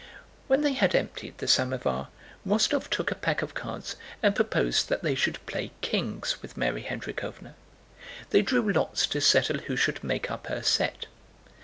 When they had emptied the samovar, Rostóv took a pack of cards and proposed that they should play "Kings" with Mary Hendríkhovna. They drew lots to settle who should make up her set.